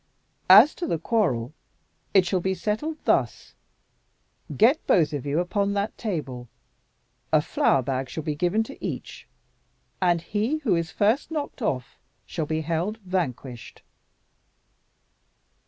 "As to the quarrel, it shall be settled thus. Get both of you upon that table. A flour bag shall be given to each; and he who is first knocked off shall be held vanquished."